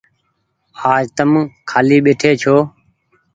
آج تم کآلي ٻيٺي ڇو۔